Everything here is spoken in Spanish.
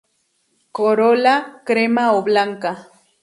Corola crema o blanca.